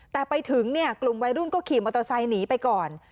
แต่ไปถึงเนี่ยกลุ่มวัยรุ่นก็ขี่มอเตอร์ไซค์หนีไปก่อน